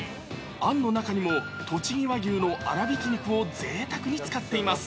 あんの中にもとちぎ和牛の粗びき肉をぜいたくに使っています。